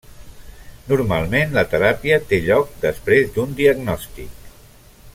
Normalment la teràpia té lloc després d'un diagnòstic.